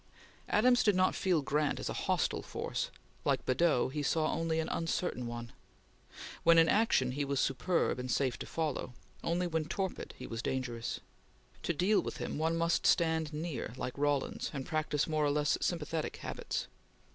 Adams did not feel Grant as a hostile force; like Badeau he saw only an uncertain one. When in action he was superb and safe to follow; only when torpid he was dangerous. To deal with him one must stand near, like Rawlins, and practice more or less sympathetic habits.